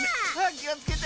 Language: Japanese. きをつけて！